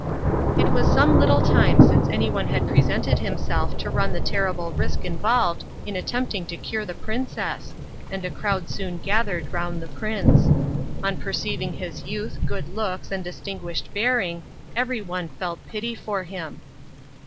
It was some little time since anyone had presented himself to run the terrible risk involved in attempting to cure the princess, and a crowd soon gathered round the prince. On perceiving his youth, good looks, and distinguished bearing, everyone felt pity for him.